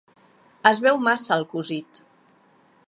Es veu massa el cosit.